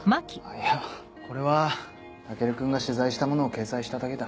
いやこれは武尊君が取材したものを掲載しただけだ。